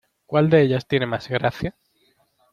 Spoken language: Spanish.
¿Cuál de ellas tiene más gracia?